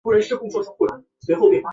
每年在法国的维苏举办。